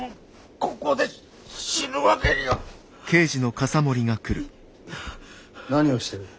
ここで死ぬわけには。何をしてる。